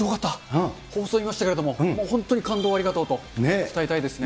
放送見ましたけれども、本当に感動をありがとうと伝えたいですね。